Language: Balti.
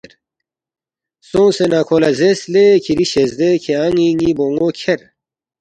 سونگسے نہ کھو لہ زیرس، ”لے کِھری شزدے کھیان٘ی ن٘ی بون٘و کھیر